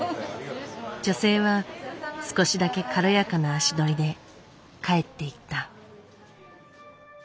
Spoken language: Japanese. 女性は少しだけ軽やかな足取りで帰っていった。